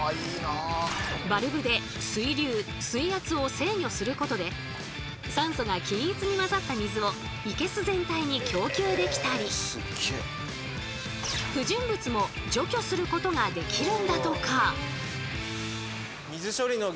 バルブで水流水圧を制御することで酸素が均一に混ざった水を生け簀全体に供給できたり不純物も除去することができるんだとか。